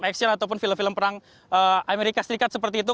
action ataupun film film perang amerika serikat seperti itu